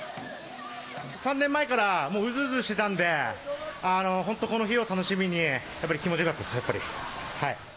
３年前からもううずうずしてたんで、本当、この日を楽しみに、やっぱり気持ちよかったです、やっぱり。